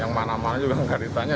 yang mana mana juga nggak ditanya